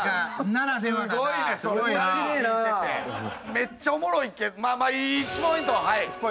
めっちゃおもろいまあまあ１ポイントはい。